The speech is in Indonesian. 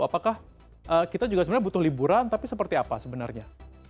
apakah kita juga sebenarnya butuh liburan tapi seperti apa sebenarnya